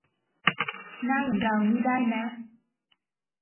หน้าอย่างเรานี่ได้แมะ